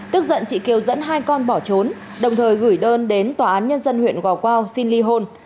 tức giận chị kiều dẫn hai con bỏ trốn đồng thời gửi đơn đến tòa án nhân dân huyện gò quao xin ly hôn